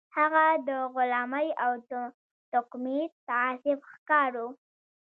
هغه د غلامۍ او توکميز تعصب ښکار و